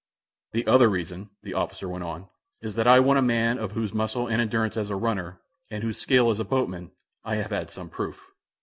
"The other reason," the officer went on, "is that I want a man of whose muscle and endurance as a runner, and whose skill as a boatman, I have had some proof."